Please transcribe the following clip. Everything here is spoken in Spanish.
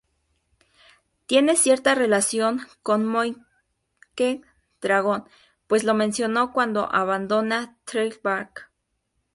Tiene cierta relación con Monkey D. Dragon, pues lo mencionó cuando abandona Thriller Bark.